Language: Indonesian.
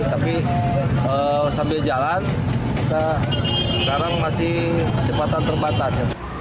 tapi sambil jalan kita sekarang masih cepatan terbatas